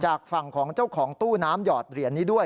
จากฝั่งของเจ้าของตู้น้ำหอดเหรียญนี้ด้วย